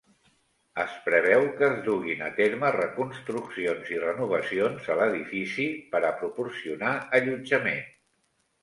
Es preveu que es duguin a terme reconstruccions i renovacions a l'edifici per a proporcionar allotjament.